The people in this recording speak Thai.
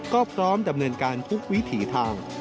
ก็พร้อมดำเนินการทุกวิถีทาง